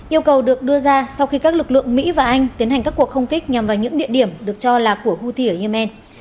yêu cầu được đưa ra sau khi các lực lượng mỹ và anh tiến hành các cuộc không kích nhằm vào những địa điểm được cho là của houthi ở yemen